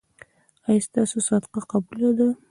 ایا ستاسو صدقه قبوله ده؟